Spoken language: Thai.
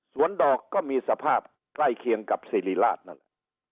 สวนดอกก็มีสภาพใกล้เคียงกับศิริราชนั่น